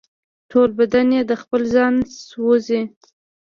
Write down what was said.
ټول بدن یې د خپل ځانه سوزي